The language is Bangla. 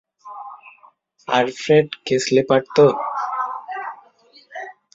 আর ফ্রেড কেসলি পারত?